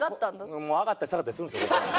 上がったり下がったりするんですよ。